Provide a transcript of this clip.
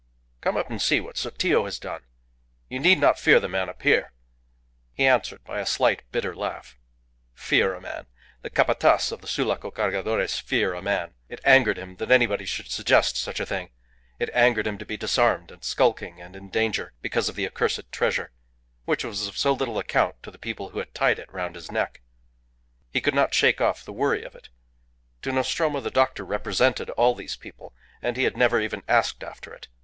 "Come up and see what Sotillo has done. You need not fear the man up here." He answered by a slight, bitter laugh. Fear a man! The Capataz of the Sulaco Cargadores fear a man! It angered him that anybody should suggest such a thing. It angered him to be disarmed and skulking and in danger because of the accursed treasure, which was of so little account to the people who had tied it round his neck. He could not shake off the worry of it. To Nostromo the doctor represented all these people. ... And he had never even asked after it.